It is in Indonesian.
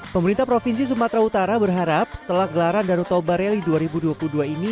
pemerintah provinsi sumatera utara berharap setelah gelaran danau toba rally dua ribu dua puluh dua ini